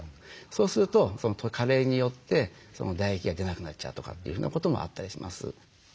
そうすると加齢によって唾液が出なくなっちゃうとかっていうふうなこともあったりします。